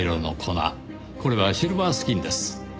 これはシルバースキンです。